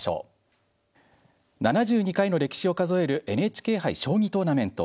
７２回の歴史を数えるＮＨＫ杯将棋トーナメント。